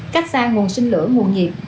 cách xa nguồn sinh lửa nguồn nhiệt